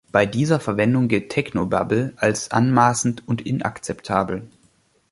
Bei dieser Verwendung gilt Technobabbel als anmaßend und inakzeptabel.